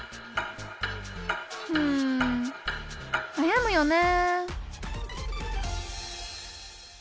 うんなやむよね